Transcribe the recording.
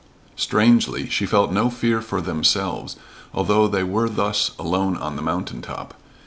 Strangely, she felt no fear for themselves, although they were thus alone on the mountain top.